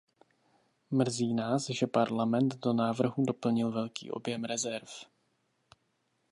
Mrzí nás, že Parlament do návrhu doplnil velký objem rezerv.